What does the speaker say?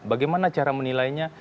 bagaimana cara menilainya